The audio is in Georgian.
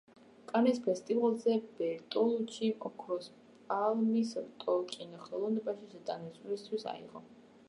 კანის ფესტივალზე ბერტოლუჩიმ „ოქროს პალმის რტო“ კინოხელოვნებაში შეტანილი წვლილისთვის აიღო.